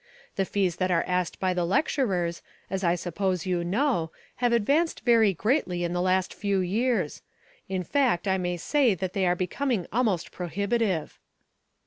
The fees that are asked by the lecturers, as I suppose you know, have advanced very greatly in the last few years. In fact I may say that they are becoming almost prohibitive."